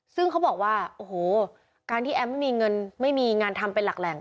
ซึ่งเขาบอกว่าโอ้โหการที่แอมไม่มีเงินไม่มีงานทำเป็นหลักแหล่ง